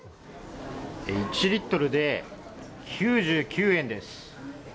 １リットルで９９円です。